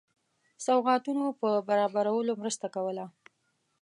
سوغاتونو په برابرولو مرسته کوله.